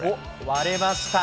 割れました。